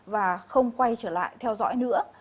và không quay trở lại theo dõi nữa